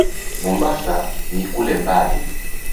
Mombasa ni kule mbali.